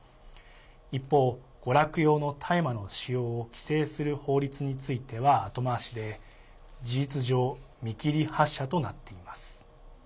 一方、娯楽用の大麻の使用を規制する法律については後回しで事実上見切り発車となっています。